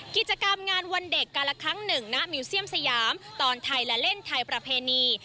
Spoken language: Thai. กิจกรรมงานวันเด็กการละครั้งหนึ่งณมิวเซียมสยามตอนไทยและเล่นไทยประเพณี